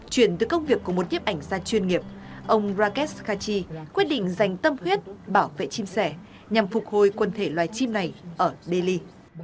chuyển từ công việc của một nhếp ảnh gia chuyên nghiệp ông rakes khachi quyết định dành tâm huyết bảo vệ chim sẻ nhằm phục hồi quần thể loài chim này ở delhi